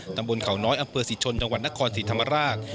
ตำบลเขาน้อยอำเภอศรีชนจังหวัดนครศรีธรรมราช